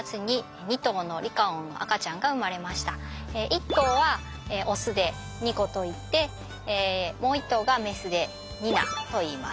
一頭はオスでニコといってもう一頭がメスでニナといいます。